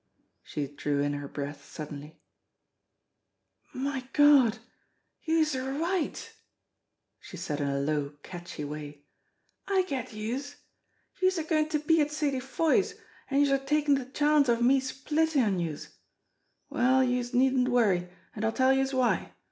She drew in her breath suddenly. "My Gawd, youse're white!" she said in a low, catchy way. "I gets youse. Youse're goin' to be at Sadie Foy's, an' youse're takin' de chance of me splittin' on youse. Well, youse needn't worry, an' I'll tell youse why.